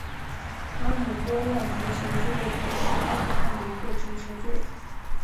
阿姆波浪足球俱乐部是阿富汗的一个足球队。